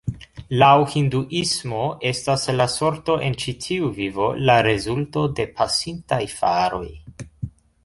Laŭ Hinduismo estas la sorto en ĉi tiu vivo la rezulto de pasintaj faroj.